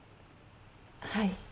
はい。